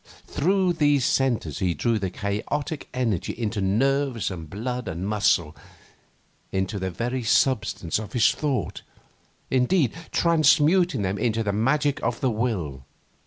Through these centres he drew the chaotic energy into nerves and blood and muscle, into the very substance of his thought, indeed, transmuting them into the magic of the will.